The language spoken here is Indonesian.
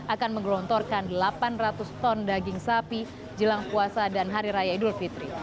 akan menggelontorkan delapan ratus ton daging sapi jelang puasa dan hari raya idul fitri